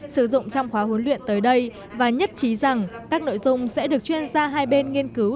sử dụng trong khóa huấn luyện tới đây và nhất trí rằng các nội dung sẽ được chuyên gia hai bên nghiên cứu